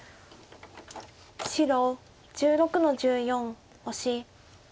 白１６の十四オシ。